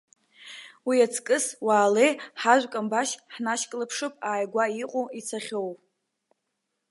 Уиаҵкыс, уаалеи ҳажәкамбашь ҳнашьклаԥшып, ааигәа иҟоу, ицахьоу.